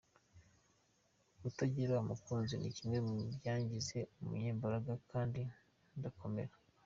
Kutagira umukunzi ni kimwe mu byangize umunyembaraga kandi ndakomera.